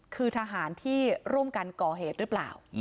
คือทหารที่ร่วมกันก่อเหตุหรือเปล่า